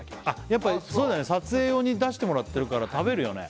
やっぱりそうだよね撮影用に出してもらってるから食べるよね